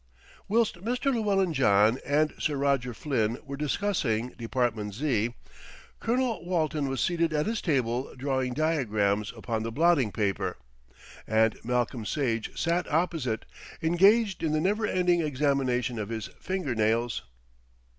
Whilst Mr. Llewellyn John and Sir Roger Flynn were discussing Department Z., Colonel Walton was seated at his table drawing diagrams upon the blotting paper, and Malcolm Sage sat opposite, engaged in the never ending examination of his finger nails.